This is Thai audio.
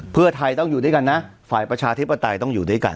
เพื่อไทยต้องอยู่ด้วยกันนะฝ่ายประชาธิปไตยต้องอยู่ด้วยกัน